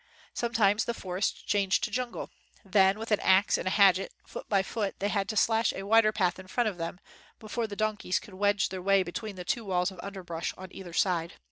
Sometimes the for est changed to jungle. Then with an ax and hatchet foot by foot they had to slash a wider path in front of them, before the donkeys could wedge their way between the two walls of underbrush on either side.